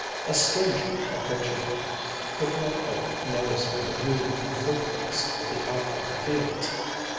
A stranger, approaching it, could not help noticing the beauty and fruitfulness of the outlying fields.